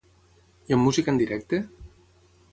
I amb música en directe?